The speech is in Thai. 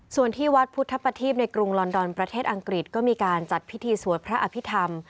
ส่วนที่วัดพุทธประทีปในกรุงลอนดอนประเทศอังกฤษก็มีการจัดพิธีสวดพระอภิษฐรรม